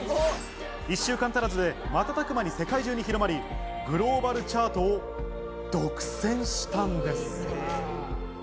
１週間足らずで瞬く間に世界中に広まり、グローバルチャートを独占したんです。